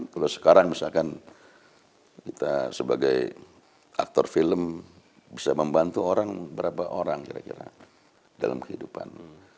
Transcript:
kalau sekarang misalkan kita sebagai aktor film bisa membantu orang berapa orang kira kira dalam kehidupan